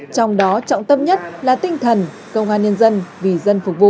trong đó trọng tâm nhất là tinh thần công an nhân dân vì dân phục vụ